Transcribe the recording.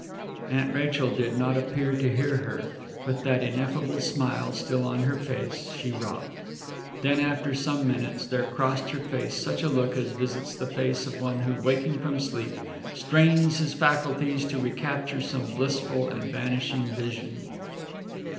Aunt Rachel did not appear to hear her. With that ineffable smile still on her face, she rocked.... Then, after some minutes, there crossed her face such a look as visits the face of one who, waking from sleep, strains his faculties to recapture some blissful and vanishing vision....